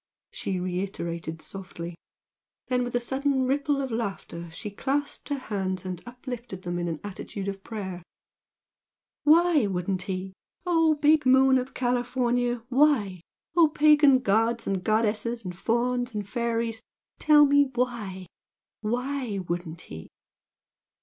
she reiterated softly; then with a sudden ripple of laughter, she clasped her hands and uplifted them in an attitude of prayer "Why wouldn't he? Oh, big moon of California, why? Oh, pagan gods and goddesses and fauns and fairies, tell me why? Why wouldn't he?"